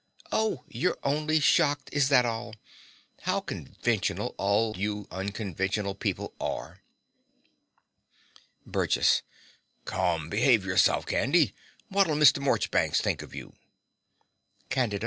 Oh, you're only shocked! Is that all? How conventional all you unconventional people are! BURGESS. Come: be'ave yourself, Candy. What'll Mr. Morchbanks think of you? CANDIDA.